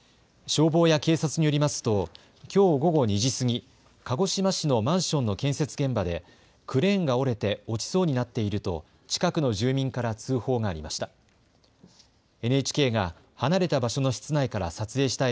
消防や警察によりますと、きょう午後２時過ぎ、鹿児島市のマンションの建設現場で、クレーンが折れて落ちそうになっていると、近くの住民から通報がありました。